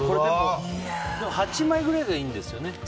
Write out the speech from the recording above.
８枚くらいがいいんですよね。